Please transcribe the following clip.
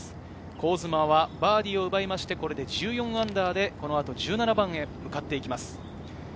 香妻はバーディーを奪いまして、これで−１４で、この後、１７番へ向かっていきます。